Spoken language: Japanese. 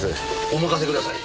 お任せください。